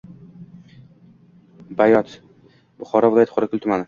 Bayot – q., Buxoro viloyati Qorakul tumani.